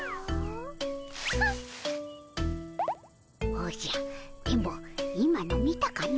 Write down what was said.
おじゃ電ボ今の見たかの。